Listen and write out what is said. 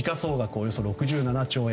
およそ６７兆円。